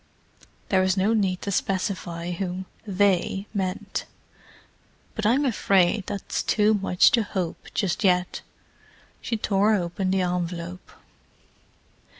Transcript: There was no need to specify whom "they" meant. "But I'm afraid that's too much to hope, just yet." She tore open the envelope.